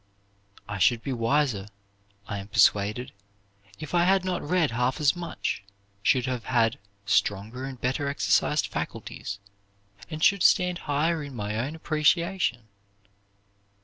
I should be wiser, I am persuaded, if I had not read half as much; should have had stronger and better exercised faculties, and should stand higher in my own appreciation."